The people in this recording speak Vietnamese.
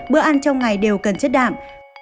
bữa ăn trong ngày đều cần chất đạm